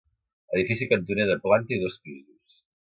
Edifici cantoner de planta i dos pisos.